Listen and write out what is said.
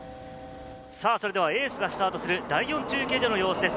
それではエースがスタートする第４中継所の様子です。